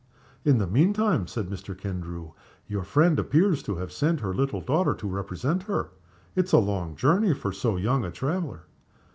"In the mean time," said Mr. Kendrew, "your friend appears to have sent you her little daughter to represent her? It's a long journey for so young a traveler."